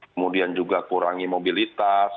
kemudian juga kurangi mobilitas